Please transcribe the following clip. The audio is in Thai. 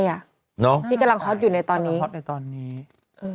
ที่กำลังฮอตอยู่ในตอนนี้ฮอตในตอนนี้เออ